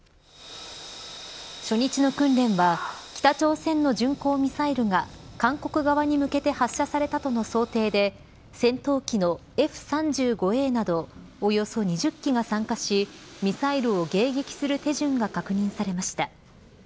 初日の訓練は北朝鮮の巡航ミサイルが韓国側に向けて発射されたとの想定で戦闘機のＦ‐３５Ａなどおよそ２０機が参加しミサイルを迎撃する手順が確認されました。